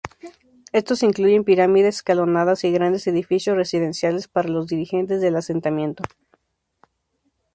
Estos incluyen pirámides escalonadas y grandes edificios residenciales para los dirigentes del asentamiento.